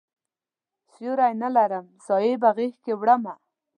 سیوری نه لرم سایې په غیږکې وړمه